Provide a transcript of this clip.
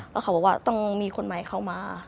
แล้วเขาบอกว่าต้องมีคนใหม่เข้ามา